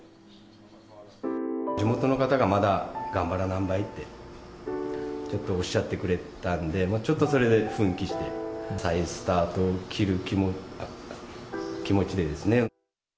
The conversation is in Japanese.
地元の方がまだがんばらなんばいって、ちょっとおっしゃってくれたんで、ちょっとそれで奮起して、再スタートを切る気持ちでですね。